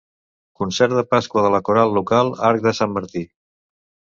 Concert de Pasqua de la Coral local Arc de Sant Martí.